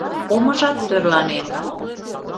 Омыжат тӧрланен.